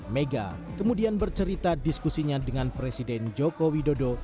mega kemudian bercerita diskusinya dengan presiden joko widodo